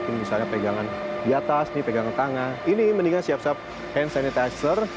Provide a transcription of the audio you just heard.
ini pegangan tangan ini mendingan siap siap hand sanitizer